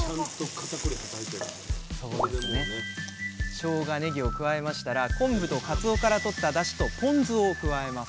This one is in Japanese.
しょうがねぎを加えましたら昆布とかつおからとっただしとポン酢を加えます